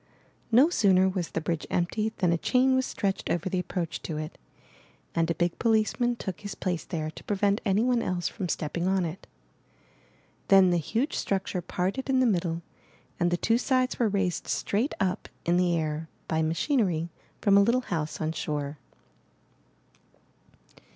No sooner was the bridge empty than a chain was stretched over the approach to it, and a big policeman took his 402 IN THE NURSERY place there to prevent anyone else from stepping on it. Then the huge structure parted in the middle and the two sides were raised straight up in the air by machinery from a Httle house on shore.